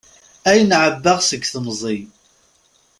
Ayen ɛebbaɣ seg temẓi.